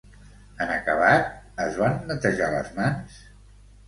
En acabat es van netejar les mans?